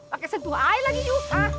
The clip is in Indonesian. pake sentuh air lagi yuk